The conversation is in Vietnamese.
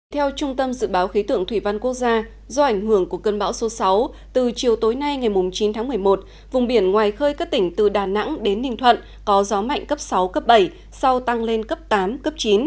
theo trung tâm dự báo khí tượng thủy văn quốc gia do ảnh hưởng của cơn bão số sáu từ chiều tối nay ngày chín tháng một mươi một vùng biển ngoài khơi các tỉnh từ đà nẵng đến ninh thuận có gió mạnh cấp sáu cấp bảy sau tăng lên cấp tám cấp chín